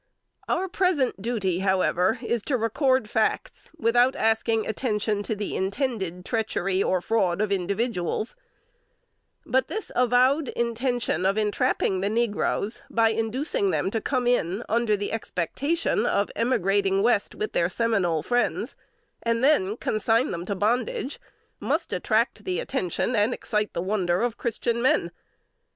Our present duty, however, is to record facts, without asking attention to the intended treachery or fraud of individuals; but this avowed intention of entrapping the negroes by inducing them to come in under the expectation of emigrating West with their Seminole friends, and then consign them to bondage, must attract the attention and excite the wonder of Christian men.